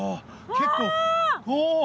結構おお。